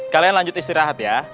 kalian lanjut istirahat ya